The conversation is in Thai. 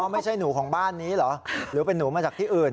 ไม่ใช่หนูของบ้านนี้เหรอหรือเป็นหนูมาจากที่อื่น